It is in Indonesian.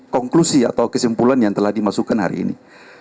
konklusi atau kesimpulan yang telah dimasukkan hari ini